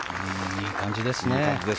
いい感じですね。